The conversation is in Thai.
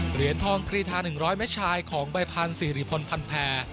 เหรียญทองกรีธา๑๐๐เมตรชายของใบพันธ์สิริพลพันแพร